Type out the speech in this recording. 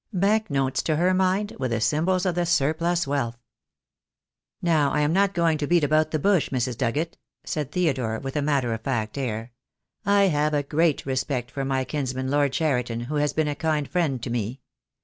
Bank notes to her mind were the symbols of the surplus wealth. "Now, I am not going to beat about the bush, Mrs. Dugget," said Theodore, with a matter of fact air. "I have a great respect for my kinsman, Lord Cheriton, who has been a kind friend to me.